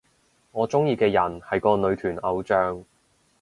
我鍾意嘅人係個女團偶像